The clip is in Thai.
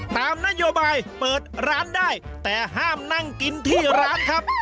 ตามนโยบายเปิดร้านได้แต่ห้ามนั่งกินที่ร้านครับ